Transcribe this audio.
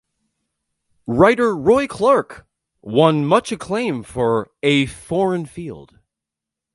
Writer Roy Clarke won much acclaim for "A Foreign Field".